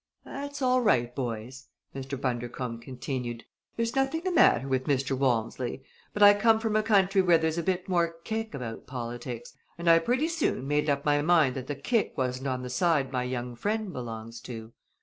"That's all right, boys!" Mr. Bundercombe continued, "there's nothing the matter with Mr. Walmsley; but I come from a country where there's a bit more kick about politics, and I pretty soon made up my mind that the kick wasn't on the side my young friend belongs to.